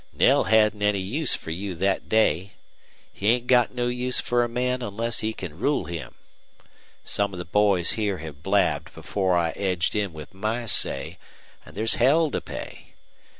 "Knell hadn't any use fer you thet day. He ain't got no use fer a man onless he can rule him. Some of the boys here hev blabbed before I edged in with my say, an' there's hell to pay.